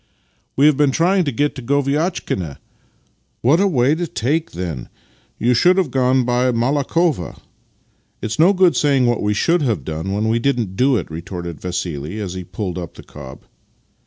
" We have been trying to get to Goviatchkina." " What a way to take, then! You should have gone by Malakhovo." " It's no good saying what we should have done when we didn't do it," retorted Vassili as he pulled up the cob.